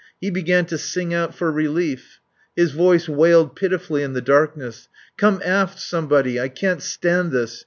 He began to sing out for relief. His voice wailed pitifully in the darkness: "Come aft somebody! I can't stand this.